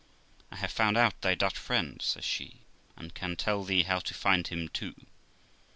'I have found out thy Dutch friend', says she, 'and can tell thee how to find him too.'